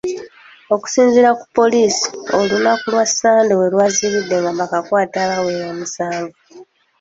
Okusinziira ku poliisi, olunaku lwa Ssande we lwazibidde nga abakwate baweze musanvu.